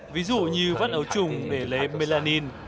ví dụ như vắt ấu trùng để lấy melanin